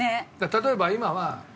例えば今は。